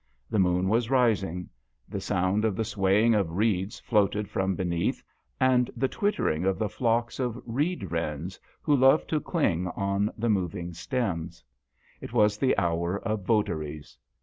The moon was rising. The sound of the swaying of reeds floated from beneath, and the twittering of the flocks of reed wrens who love to cling on the moving stems. It was the hour of votaries.